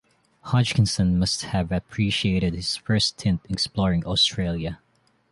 Hodgkinson must have appreciated his first stint exploring Australia.